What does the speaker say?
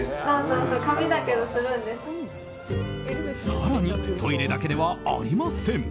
更にトイレだけではありません。